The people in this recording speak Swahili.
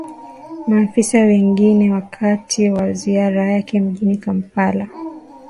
maafisa wengine wakati wa ziara yake mjini kampala